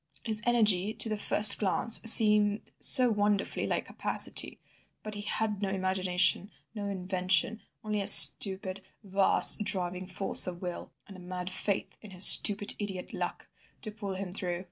His energy to the first glance seemed so wonderfully like capacity! But he had no imagination, no invention, only a stupid, vast, driving force of will, and a mad faith in his stupid idiot 'luck' to pull him through.